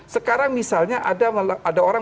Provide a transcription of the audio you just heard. sekarang misalnya ada orang